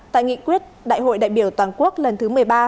tại nghị quyết đại hội đại biểu toàn quốc lần thứ một mươi ba